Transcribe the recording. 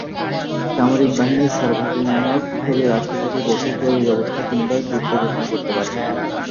সামরিক বাহিনীর সর্বাধিনায়ক হিসাবে রাষ্ট্রপতি দেশে জরুরি অবস্থা কিংবা যুদ্ধ ঘোষণা করতে পারেন।